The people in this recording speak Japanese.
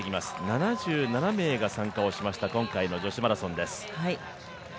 ７７名が参加をしました、今回の女子マラソンです。